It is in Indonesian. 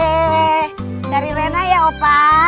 hei dari rena ya opa